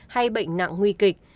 hay bệnh nặng nguy kịch